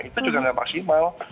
itu juga nggak maksimal